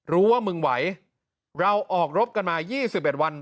รู้ว่ามึงไหวเราออกรบกันมา๒๑วัน